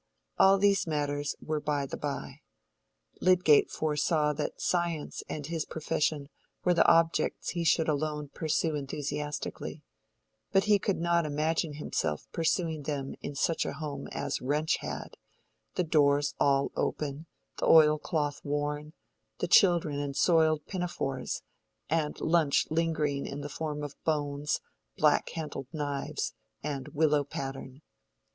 All these matters were by the bye. Lydgate foresaw that science and his profession were the objects he should alone pursue enthusiastically; but he could not imagine himself pursuing them in such a home as Wrench had—the doors all open, the oil cloth worn, the children in soiled pinafores, and lunch lingering in the form of bones, black handled knives, and willow pattern.